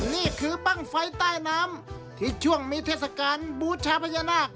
นี่คือบ้างไฟใต้น้ำที่ช่วงมีเทศกาลบูชาพญานาค